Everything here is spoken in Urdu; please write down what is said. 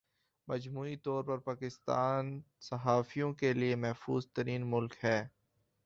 مجموعی طور پر پاکستان صحافیوں کے لئے محفوظ ترین ملک ہے